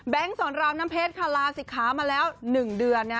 แบงก์สอนรามน้ำเพชรคลาศิกษามาแล้ว๑เดือน